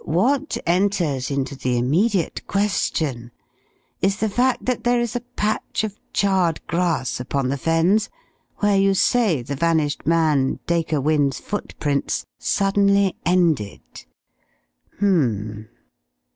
What enters into the immediate question is the fact that there is a patch of charred grass upon the Fens where you say the vanished man, Dacre Wynne's footprints suddenly ended. Hmm."